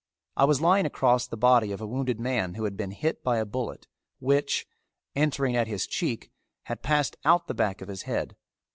I was lying across the body of a wounded man who had been hit by a bullet which, entering at his cheek, had passed out the back of his head.